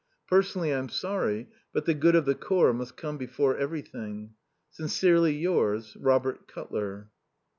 Personally I'm sorry, but the good of the Corps must come before everything. Sincerely yours, Robert Cutler.